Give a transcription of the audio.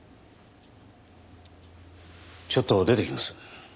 ちょっと出てきます。